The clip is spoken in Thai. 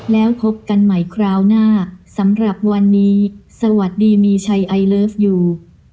แล้วพบกันใหม่คราวหน้าสำหรับวันนี้สวัสดีมีชัยไอเลิฟยู